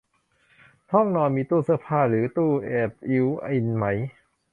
ห้องนอนมีตู้เสื้อผ้าหรือตู้แบบบิลท์อินไหม